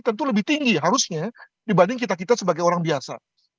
tentu lebih tinggi harusnya dibanding kita kita sebagai orang biasa